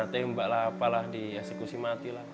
ayahmu dikena tembak lah apalah diasekusi mati lah